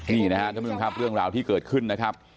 นี่นะครับทุกคนค่ะเรื่องราวที่เกิดขึ้นนะครับ